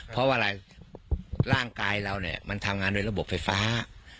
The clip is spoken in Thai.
เพราะว่าอะไรร่างกายเราเนี่ยมันทำงานโดยระบบไฟฟ้า